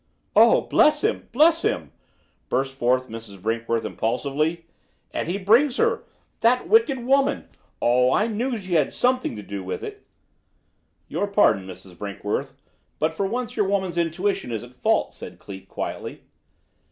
"Oh, bless him! bless him!" burst forth Mrs. Brinkworth impulsively. "And he brings her! That wicked woman! Oh, I knew that she had something to do with it." "Your pardon, Mrs. Brinkworth, but for once your woman's intuition is at fault," said Cleek quietly.